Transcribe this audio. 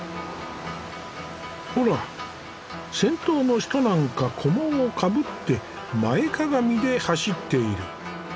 ほら先頭の人なんか菰をかぶって前かがみで走っている。